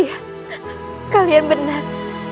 iya kalian benar